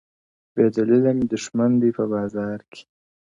بې دلیله مي د ښمن دی په بازار کي٫